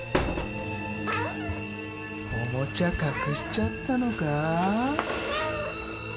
おもちゃ隠しちゃったのか？